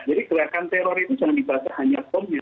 jadi kelihatan teror itu jangan dibaca hanya bomnya